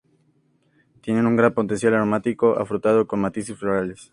Tiene un gran potencial aromático afrutado con matices florales.